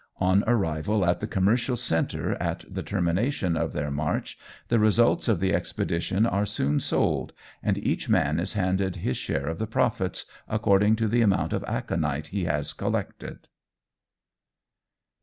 On arrival at the commercial centre at the termination of their march the results of the expedition are soon sold, and each man is handed his share of the profits, according to the amount of aconite he has collected."